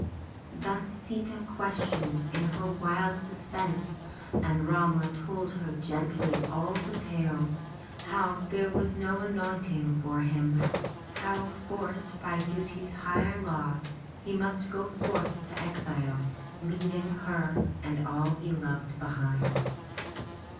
'* Thus Sita questioned in her wild suspense and Rama told her gently all the tale, how there was no anointing now for him, how, 389 MY BOOK HOUSE forced by duty's higher law, he must go forth to exile, leaving her and all he loved behind.